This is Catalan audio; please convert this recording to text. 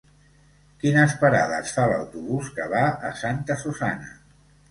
Quines parades fa l'autobús que va a Santa Susanna?